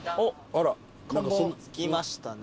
着きましたね。